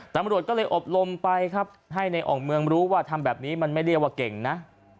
ตำรวจก็เลยอบรมไปครับให้ในอ่องเมืองรู้ว่าทำแบบนี้มันไม่เรียกว่าเก่งนะ